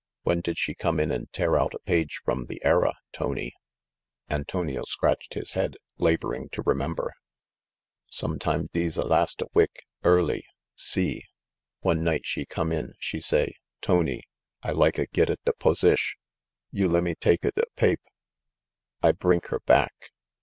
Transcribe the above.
"When did she come in and tear out a page from The Era, Tony ?" Antonio scratched his head, laboring to remember. "Sometime dees a last a wik, early. Si. One night she come in, she say, Tony, I like a get a da posish. You lemme take a do pape'. I brink 'er back.'